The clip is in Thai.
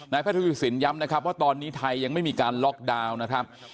แพทย์ทวีสินย้ำนะครับว่าตอนนี้ไทยยังไม่มีการล็อกดาวน์นะครับ